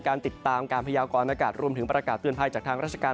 การติดตามการพยากรณากาศรวมถึงประกาศเตือนภัยจากทางราชการ